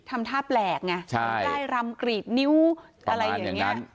ทำท่าแปลกไงได้รำกรีดนิ้วอะไรอย่างนี้